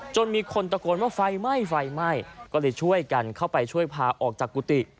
มีคนตะโกนว่าไฟไหม้ไฟไหม้ก็เลยช่วยกันเข้าไปช่วยพาออกจากกุฏิ